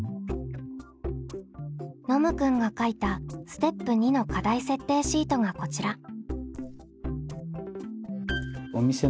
ノムくんが書いたステップ２の課題設定シートがこちら。